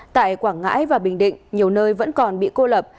tại quảng ngãi và bình định nhiều nơi vẫn còn bị cô lập